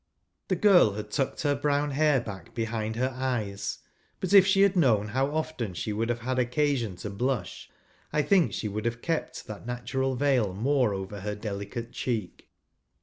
The girl had tucked her brown hair back behind her ears ; but if she had known how often she would have had occasion to blush, I think she would have kept that natural veil more over her delicate cheek.